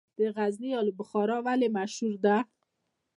د غزني الو بخارا ولې مشهوره ده؟